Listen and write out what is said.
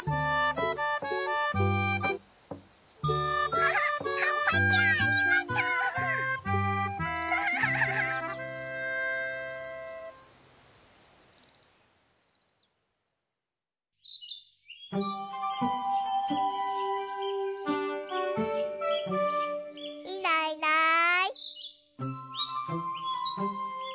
キャハはっぱちゃんありがとう！キャハハハ！いないいない。